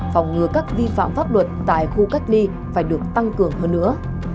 phòng ngừa các vi phạm pháp luật tại khu cách ly phải được tăng cường hơn nữa